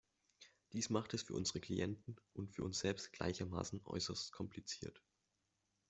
Das macht es für unsere Klienten und für uns selbst gleichermaßen äußerst kompliziert.